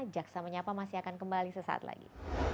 jaksa menyapa masih akan kembali sesaat lagi